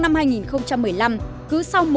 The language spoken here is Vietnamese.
năm hai nghìn một mươi năm cứ sau